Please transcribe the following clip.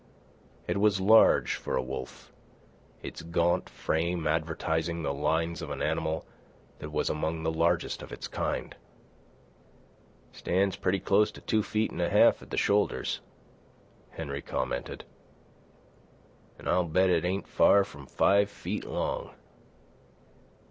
It was large for a wolf, its gaunt frame advertising the lines of an animal that was among the largest of its kind. "Stands pretty close to two feet an' a half at the shoulders," Henry commented. "An' I'll bet it ain't far from five feet long."